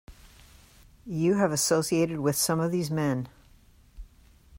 You have associated with some of these men.